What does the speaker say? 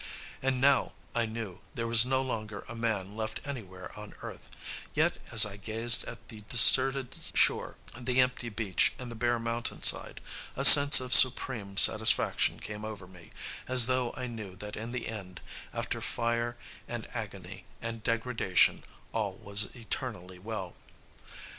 And now, I knew, there was no longer a man left anywhere on earth; yet as I gazed at the deserted shore, the empty beach and the bare mountainside, a sense of supreme satisfaction came over me, as though I knew that in the end, after fire and agony and degradation, all was eternally well.